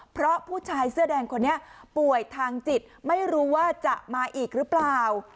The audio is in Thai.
เพราะผู้ชายเสื้อแดงคนนี้ป่วยทางจิตไม่รู้ว่าจะมาอีกหรือเปล่า